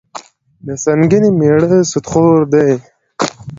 د سنګینې میړه سودخور دي.